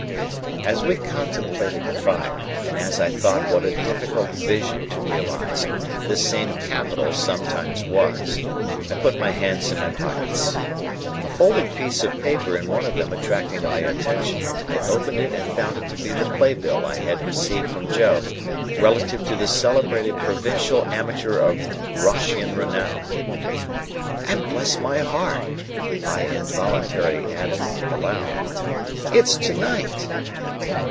As we contemplated the fire, and as I thought what a difficult vision to realise this same Capital sometimes was, I put my hands in my pockets. A folded piece of paper in one of them attracting my attention, I opened it and found it to be the play bill I had received from Joe, relative to the celebrated provincial amateur of Roscian renown. "And bless my heart," I involuntarily added aloud, "it's to night!"